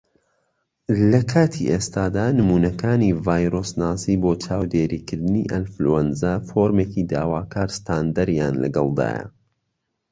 لە کاتی ئێستادا، نمونەکانی ڤایرۆسناسی بۆ چاودێریکردنی ئەنفلوەنزا فۆرمێکی داواکار ستاندەریان لەگەڵدایە.